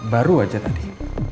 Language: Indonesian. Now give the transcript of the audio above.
baru aja tadi